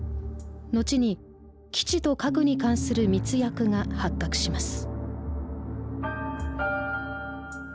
後に「基地と核に関する密約」が発覚します。